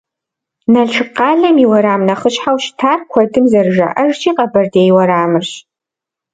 Налшык къалэм и уэрам нэхъыщхьэу щытар, куэдым зэращӏэжщи, Къэбэрдей уэрамырщ.